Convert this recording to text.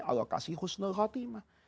allah kasih husna khatimah